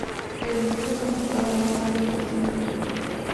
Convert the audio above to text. El diseño fue mejorado más tarde por James Watt.